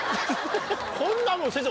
こんなもん先生